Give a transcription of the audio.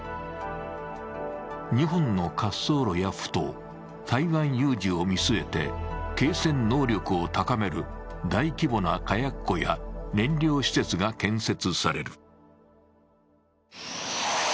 ２本の滑走路やふ頭台湾有事を見据えて継戦能力を高める大規模な火薬庫や燃料施設が建設される。